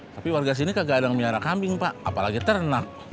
tapi warga sini kagak ada yang menyara kambing pak apalagi ternak